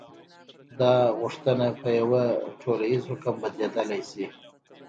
دا غوښتنه په یوه ټولیز حکم بدلېدلی شي.